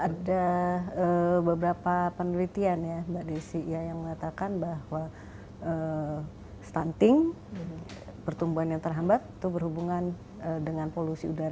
ada beberapa penelitian ya mbak desi yang mengatakan bahwa stunting pertumbuhan yang terhambat itu berhubungan dengan polusi udara